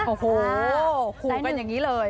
โอ้โหขู่กันอย่างนี้เลย